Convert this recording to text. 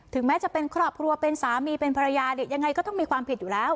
แม้จะเป็นครอบครัวเป็นสามีเป็นภรรยาเนี่ยยังไงก็ต้องมีความผิดอยู่แล้ว